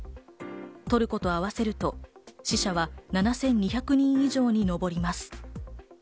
トルコと合わせると死者は７２００人以上にのぼります。